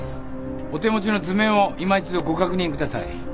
お手持ちの図面をいま一度ご確認ください。